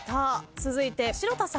続いて城田さん。